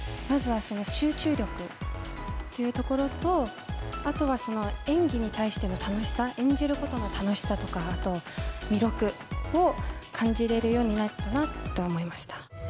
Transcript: まずは集中力というところと、あとは演技に対しての楽しさ、演じることの楽しさとか、あと、魅力を感じれるようになったなと思いました。